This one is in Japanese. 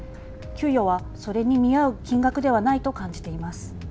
給与はそれに見合う金額ではないと感じています。